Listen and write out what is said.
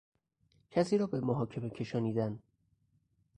کسی را به محاکمه کشانیدن